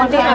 ya mari ya